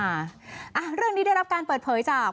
เรื่องนี้ได้รับการเปิดเผยจาก